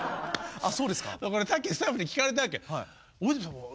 さっきスタッフに聞かれたわけ。